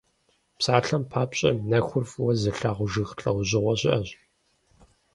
Псалъэм папщӀэ, нэхур фӀыуэ зылъагъу жыг лӀэужьыгъуэ щыӀэщ.